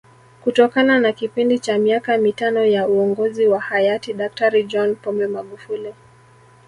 Kutokana na kipindi cha miaka mitano ya Uongozi wa Hayati Daktari John Pombe Magufuli